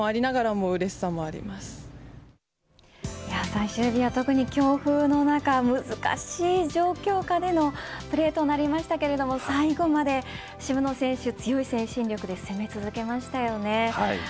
最終日は特に強風の中、難しい状況下でのプレーとなりましたが最後まで渋野選手、強い精神力で攻め続けましたよね。